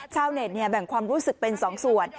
ชาวเน็ตแบ่งความรู้สึกเป็น๒ส่วน